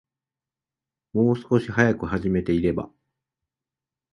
もう少し早く始めていれば